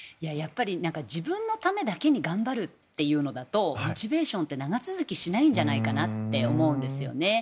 自分のためだけに頑張るというのだとモチベーションって長続きしないんじゃないかなと思うんですよね。